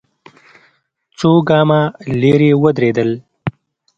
څو ګامه ليرې ودرېدل.